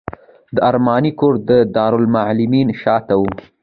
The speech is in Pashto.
د ارماني کور د دارالمعلمین شاته و.